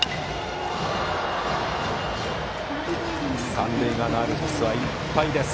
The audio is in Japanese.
三塁側のアルプスはいっぱいです。